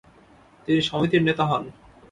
তিনি সমিতির নেতা হন।